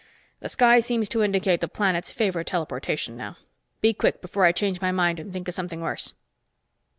The sky seems to indicate the planets favor teleportation now. Be quick before I change my mind and think of something worse!"